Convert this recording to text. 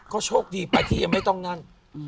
ก็โชคดีไปที่ยังไม่ต้องนั่น